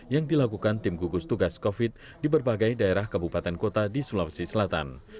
yang dilakukan tim gugus tugas covid sembilan belas di berbagai daerah kabupaten kota di sulawesi selatan